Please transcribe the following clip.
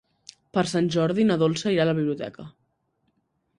Per Sant Jordi na Dolça irà a la biblioteca.